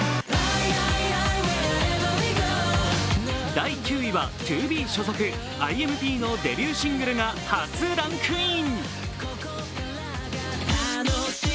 第９位はＴＯＢＥ所属ＩＭＰ．のデビューシングルが初ランクイン。